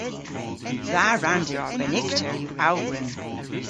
Dha ranndir arbennikter yw awgwrym.